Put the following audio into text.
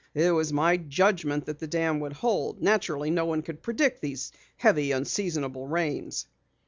"It was my judgment that the dam would hold. Naturally no one could predict these heavy, unseasonable rains."